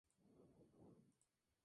La música fue de Miguel Farías.